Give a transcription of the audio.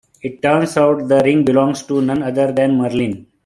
It turns out the ring belongs to none other than Merlin.